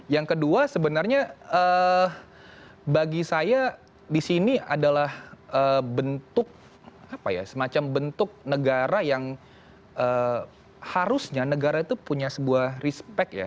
yang kedua sebenarnya bagi saya di sini adalah bentuk semacam bentuk negara yang harusnya negara itu punya sebuah respect ya